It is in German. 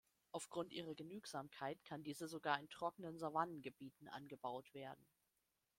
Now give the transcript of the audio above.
Aufgrund ihrer Genügsamkeit kann diese sogar in trockenen Savannengebieten angebaut werden.